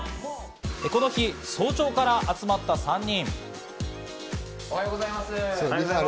この日、早朝から集まった３人。